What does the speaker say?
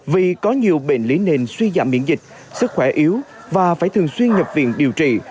vì có nhiều bệnh lý nền suy giảm miễn dịch sức khỏe yếu và phải thường xuyên nhập viện điều trị